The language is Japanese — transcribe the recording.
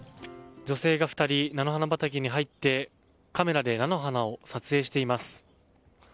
女性が２人、菜の花畑に入ってカメラで菜の花を撮影しています。